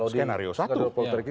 skenario satu itu pak